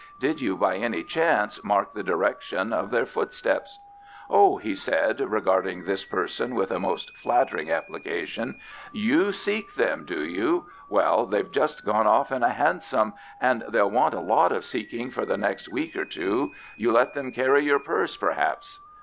Did you, by any chance, mark the direction of their footsteps?" "Oh," he said, regarding this person with a most flattering application, "YOU seek them, do you? Well, they've just gone off in a hansom, and they'll want a lot of seeking for the next week or two. You let them carry your purse, perhaps?"